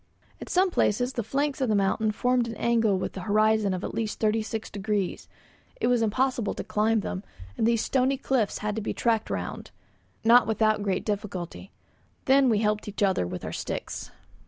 At some places the flanks of the mountain formed an angle with the horizon of at least 36 degrees; it was impossible to climb them, and these stony cliffs had to be tacked round, not without great difficulty. Then we helped each other with our sticks.